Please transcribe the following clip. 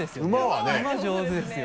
上手ですよ。